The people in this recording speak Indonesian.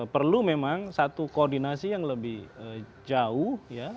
perlu memang satu koordinasi yang lebih jauh ya